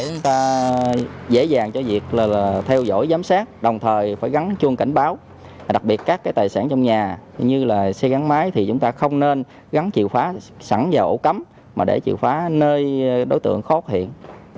chúng ta dễ dàng cho việc là theo dõi giám sát đồng thời phải gắn chuông cảnh báo đặc biệt các tài sản trong nhà như là xe gắn máy thì chúng ta không nên gắn chịu phá sẵn vào ổ cắm mà để chịu phá nơi đối tượng khót hiện